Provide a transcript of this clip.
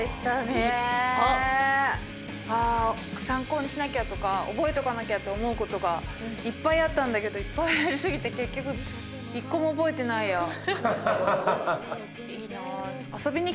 参考にしなきゃとか覚えとかなきゃと思うことがいっぱいあったんだけどいっぱいあり過ぎて結局１個も覚えてないや。